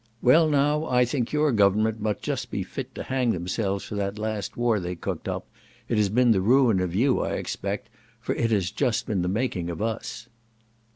—"Well, now, I think your government must just be fit to hang themselves for that last war they cooked up; it has been the ruin of you I expect, for it has just been the making of us."